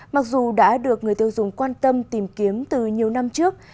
mặc dù đã được người tiêu dùng quan tâm tìm kiếm từ nhiều năm trước